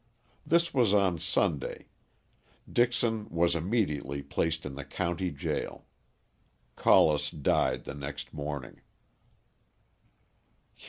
This was on Sunday. Dixon was immediately placed in the county jail. Collis died the next morning.